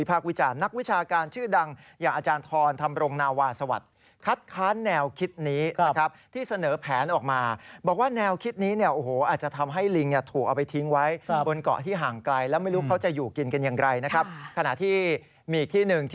พีเกียรี่ยารกฎธงคมที่กอบภูเก็ตคือผู้บอกเองว่าการหมายความเมือง